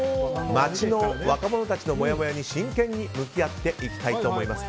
街の若者たちのもやもやに真剣に向き合っていきたいと思います。